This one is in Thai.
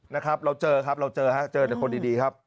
นะครับเราเจอครับเราเจอฮะเจอแต่คนดีครับ